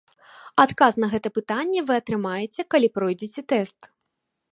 Адказ на гэта пытанне вы атрымаеце, калі пройдзеце тэст.